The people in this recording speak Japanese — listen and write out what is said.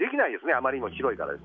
あまりにも広いから。